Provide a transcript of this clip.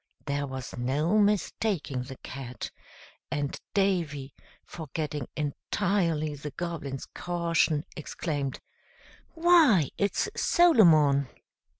There was no mistaking the Cat, and Davy, forgetting entirely the Goblin's caution, exclaimed, "Why! it's Solomon!"